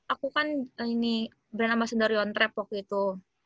aku kan ini brand ambasadori on trap waktu itu